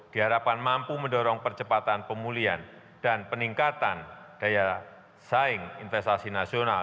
diharapkan mampu mendorong percepatan pemulihan dan peningkatan daya saing investasi nasional